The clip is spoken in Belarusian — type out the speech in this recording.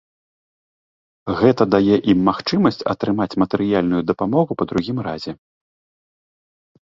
Гэта дае ім магчымасць атрымаць матэрыяльную дапамогу па другім разе.